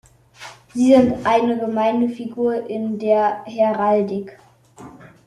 Sie sind eine gemeine Figur in der Heraldik.